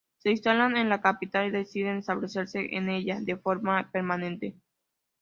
Se instalan en la capital y deciden establecerse en ella de forma permanente.